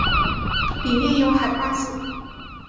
里面有海瓜子